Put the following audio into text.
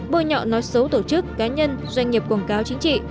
bôi nhọ nói xấu tổ chức cá nhân doanh nghiệp quảng cáo chính trị